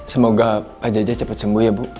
semoga pak jajah cepat sembuh ya bu